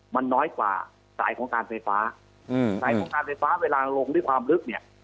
มันน้อยกว่าสายของการไฟฟ้าอืมสายของการไฟฟ้าเวลาลงด้วยความลึกเนี่ย